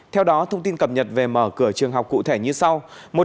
theo đó thông tin cập nhật về mở cửa trường học cụ thể như sau